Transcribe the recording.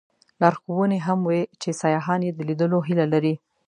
لارښوونې هم وې چې سیاحان یې د لیدلو هیله لري.